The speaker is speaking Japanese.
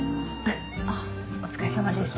あっお疲れさまでした。